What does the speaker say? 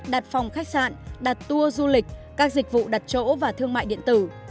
đặt phòng khách sạn đặt tour du lịch các dịch vụ đặt chỗ và thương mại điện tử